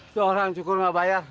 seorang cukur mabayar